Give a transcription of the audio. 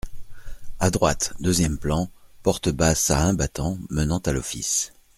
A droite, deuxième plan, porte basse à un battant menant à l’office.